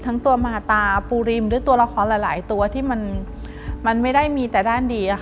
ทั้งตัวมหาตาปูริมหรือตัวละครหลายตัวที่มันไม่ได้มีแต่ด้านดี